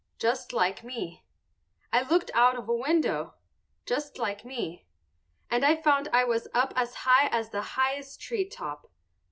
Just like me. I looked out of a window. Just like me. And I found I was up as high as the highest tree top.